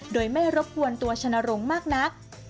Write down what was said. โดยไม่รบกวนตัวชนรงค์มากนัก